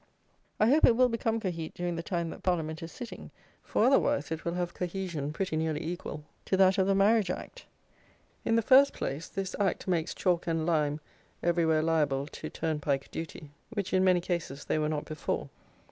I hope it will become cohete during the time that Parliament is sitting, for otherwise it will have cohesion pretty nearly equal to that of the Marriage Act. In the first place this Act makes chalk and lime everywhere liable to turnpike duty, which in many cases they were not before.